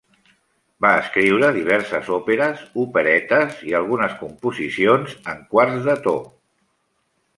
Va escriure diverses òperes, operetes i algunes composicions en quarts de to.